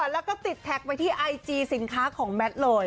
แล้วก็ติดแท็กไปที่ไอจีสินค้าของแมทเลย